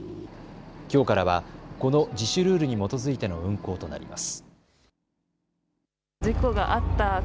きょうからはこの自主ルールに基づいての運航となります。